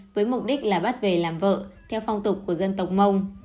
với mục đích là bắt về làm vợ theo phong tục của dân tộc mông